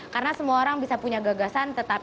karena semua orang bisa punya gagasan